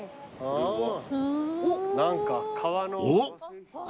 すごい。